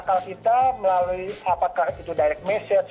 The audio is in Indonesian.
dan akal kita melalui apakah itu direct message